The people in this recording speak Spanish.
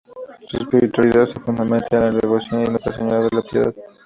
Su espiritualidad se fundamenta en la devoción de Nuestra Señora de la Piedad.